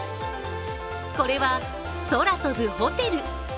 これは空飛ぶホテル。